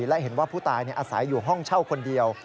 และเห็นว่าผู้ตายอาศัยอยู่ห้องเช่าคนเดียว